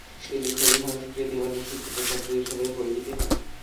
তিনি খুবই সংস্কৃতিবান ও শিক্ষিত ছাত্র হিসেবে পরিচিতি পান।